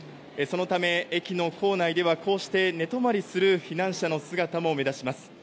そのため、駅の構内ではこうして寝泊まりする避難者の姿も目立ちます。